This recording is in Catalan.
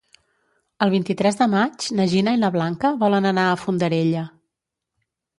El vint-i-tres de maig na Gina i na Blanca volen anar a Fondarella.